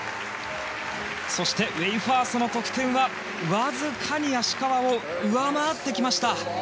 そして、ウェイファースの得点はわずかに芦川を上回ってきました。